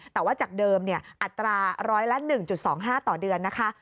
แต่ว่าจากเดิมอัตราร้อยละ๑๒๕ต่อเดือนนะคะ